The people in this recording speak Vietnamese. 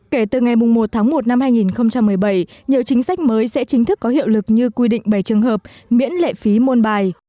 kể từ ngày một tháng một năm hai nghìn một mươi bảy nhiều chính sách mới sẽ chính thức có hiệu lực như quy định bảy trường hợp miễn lệ phí môn bài